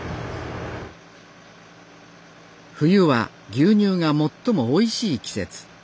冬は牛乳が最もおいしい季節。